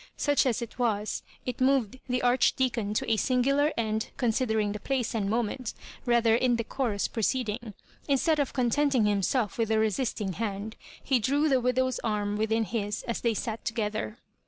Such as it was, it moved the Arch deacon to a singular, and, considering the place and moment, rather indecorous proceeding. In stead of contenting himself with the resisting hand, he drew the widow's arm within his as they sat together.